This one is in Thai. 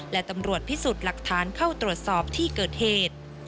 และตำรวจพิสูจน์หลักฐานเข้าตรวจสอบที่เกิดเหตุ